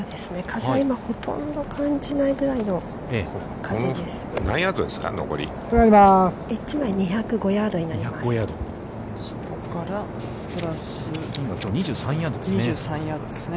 風はほとんど感じないぐらいの風です。